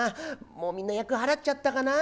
もうみんな厄払っちゃったかな。